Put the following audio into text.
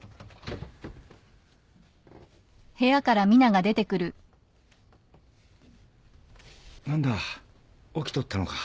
何だ起きとったのか。